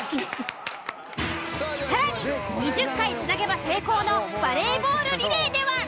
更に２０回つなげば成功のバレーボールリレーでは。